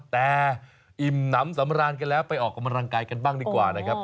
แต่อิ่มน้ำสำราญกันแล้วไปออกกำลังกายกันบ้างดีกว่านะครับ